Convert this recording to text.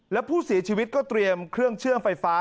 แล้วผู้เสียชีวิตก็เตรียมเครื่องเชื่อมไฟฟ้า